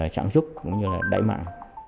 chảm súc cũng như là đẩy mặn